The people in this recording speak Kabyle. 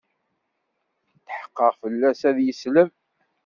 Tḥeqqeɣ fell-as ad yesleb.